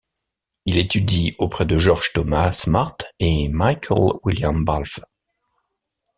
Il étudie auprès de George Thomas Smart et Michael William Balfe.